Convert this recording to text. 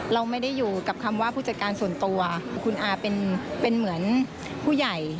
เราไม่ได้อยู่กับคำว่าผู้จัดการส่วนตัวคุณอาเป็นเหมือนผู้ใหญ่